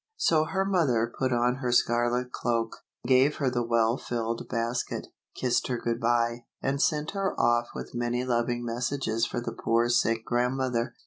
So her mother put on her scarlet cloak, gave her the well filled basket, kissed her good by, and sent her off with many loving messages for the poor sick grandmother.